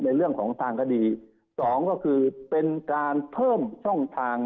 ในเรื่องของทางคดีสองก็คือเป็นการเพิ่มช่องทาง